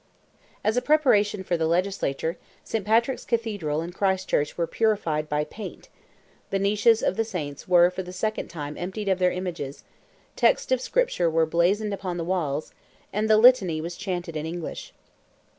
As a preparation for the legislature, St. Patrick's Cathedral and Christ Church were purified by paint; the niches of the Saints were for the second time emptied of their images; texts of Scripture were blazoned upon the walls, and the Litany was chanted in English.